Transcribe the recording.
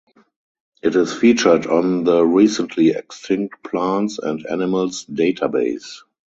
It is featured on The Recently Extinct Plants and Animals Database.